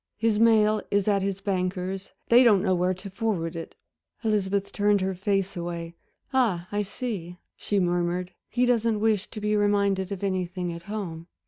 His mail is at his banker's they don't know where to forward it." Elizabeth turned her face away. "Ah, I see," she murmured, "he doesn't wish to be reminded of anything at home."